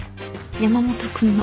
山本君の。